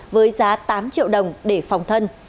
với giá tám triệu đồng để phòng thân